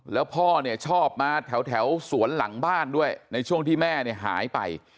แล้วพ่อเนี่ยชอบมาแถวสวนหลังบ้านด้วยในช่วงที่แม่เนี่ยหายไป